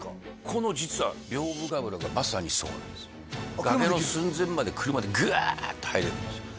この実は屏風ヶ浦がまさにそうなんです崖の寸前まで車でグワーッと入れるんですよ